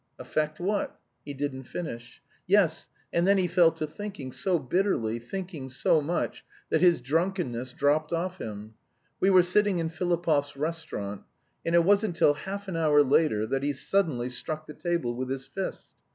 'Affect what?' He didn't finish. Yes, and then he fell to thinking so bitterly, thinking so much, that his drunkenness dropped off him. We were sitting in Filipov's restaurant. And it wasn't till half an hour later that he suddenly struck the table with his fist.